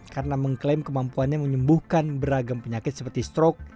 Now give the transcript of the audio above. karena mengklaim kemampuannya menyembuhkan beragam penyakit seperti stroke